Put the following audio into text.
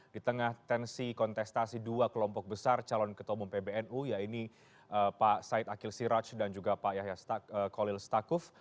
di tengah tensi kontestasi dua kelompok besar calon ketua umum pbnu ya ini pak said akil siraj dan juga pak yahya kolil stakuf